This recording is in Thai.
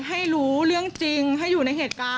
ให้รู้เรื่องจริงให้อยู่ในเหตุการณ์